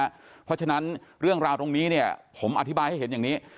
เพราะฉะนั้นเรื่องราวตรงนี้เนี่ยผมอธิบายให้เห็นอย่างนี้